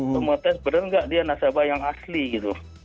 cuma test benar nggak dia nasabah yang asli gitu